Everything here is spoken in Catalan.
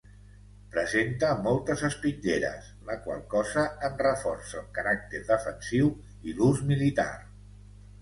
Presenta moltes espitlleres, la qual cosa en reforça el caràcter defensiu i l'ús militar.